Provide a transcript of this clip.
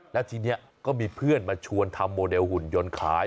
แล้วทีนี้ก็มีเพื่อนมาชวนทำโมเดลหุ่นยนต์ขาย